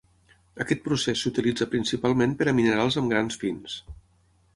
Aquest procés s’utilitza principalment per a minerals amb grans fins.